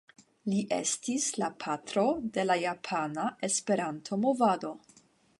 Li estis la patro de la Japana Esperanto-movado.